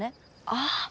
あっ。